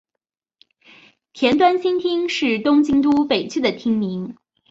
田端新町是东京都北区的町名。